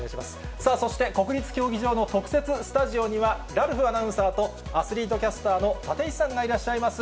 さあそして、国立競技場の特設スタジオには、ラルフアナウンサーとアスリートキャスターの立石さんがいらっしゃいます。